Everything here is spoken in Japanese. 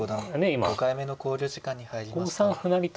今５三歩成と。